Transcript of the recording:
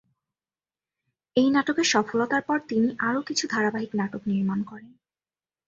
এই নাটকের সফলতার পর, তিনি আরো কিছু ধারাবাহিক নাটক নির্মাণ করেন।